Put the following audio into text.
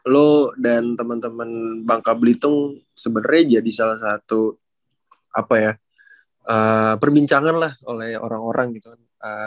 lo dan temen temen bangka blitung sebenernya jadi salah satu perbincangan lah oleh orang orang gitu kan